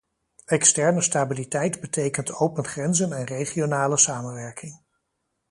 Externe stabiliteit betekent open grenzen en regionale samenwerking.